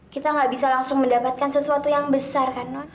kita nggak bisa langsung mendapatkan sesuatu yang besar kan non